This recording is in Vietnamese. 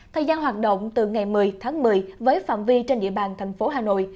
thời gian hoạt động từ ngày một mươi tháng một mươi với phạm vi trên địa bàn thành phố hà nội